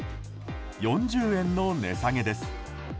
４０円の値下げです。